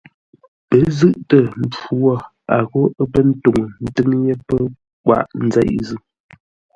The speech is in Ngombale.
Pə́ zʉ̂ʼtə mpfu wo, a ghô: ə̰ pə́ ntúŋu ntʉ́ŋ yé pə́ kwaʼ nzeʼ zʉ́.